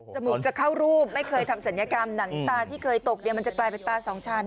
มูกจะเข้ารูปไม่เคยทำศัลยกรรมหนังตาที่เคยตกเนี่ยมันจะกลายเป็นตาสองชั้น